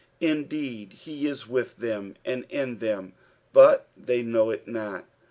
Indeed, he is with them, and in them, but they know it not.